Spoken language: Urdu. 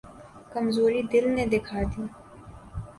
کمزوری دل نے دکھا دی۔